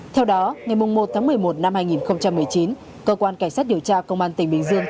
theo đó ngày một tháng một mươi một năm hai nghìn một mươi chín cơ quan cảnh sát điều tra công an tỉnh bình dương